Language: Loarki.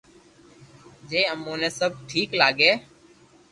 جي اموني سب ٺيڪ لاگي